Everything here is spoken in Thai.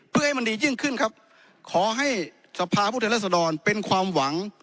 เพื่อให้มันดียิ่งขึ้นครับขอให้สภาพุทธรัศดรเป็นความหวัง